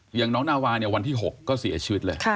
อย่างน้องนาวาเนี่ยวันที่๖ก็เสียชีวิตเลย